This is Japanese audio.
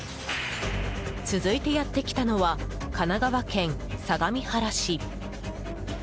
続いてやってきたのは神奈川県相模原市。